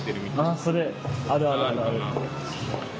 ああそれあるあるあるある。